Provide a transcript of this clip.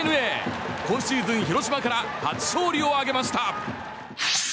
今シーズン、広島から初勝利を挙げました。